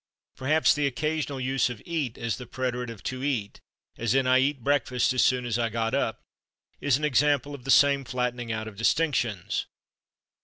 Perhaps the occasional use of /eat/ as the preterite of /to eat/, as in "I /eat/ breakfast as soon as I got up," is an example of the same flattening out of distinctions.